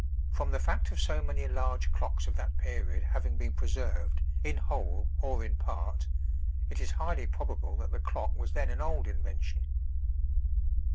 From the fact of so many large clocks of that period having been preserved in whole or in part, it is highly probable that the clock was then an old invention.